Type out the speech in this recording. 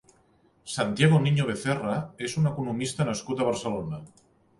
Santiago Niño Becerra és un economista nascut a Barcelona.